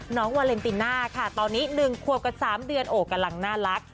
วาเลนติน่าค่ะตอนนี้๑ขวบกับ๓เดือนโอ้กำลังน่ารัก